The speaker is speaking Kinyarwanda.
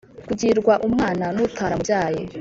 kugirwa umwana n utaramubyaye